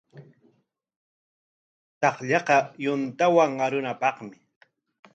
Takllaqa yuntawan arunapaqmi.